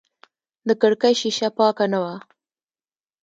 د کړکۍ شیشه پاکه نه وه.